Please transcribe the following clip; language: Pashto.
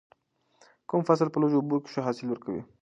کوم فصل په لږو اوبو کې ښه حاصل ورکوي؟